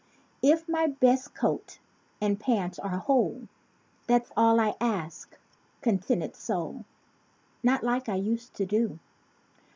If my "best" coat and pants are whole— That's all I ask—(Contented soul!) Not like I used to do.